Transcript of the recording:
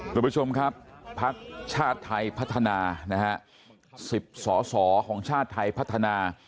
รับประชุมครับภักดิ์ชาติไทยพัฒนาสิบสอของชาติไทยพัฒนา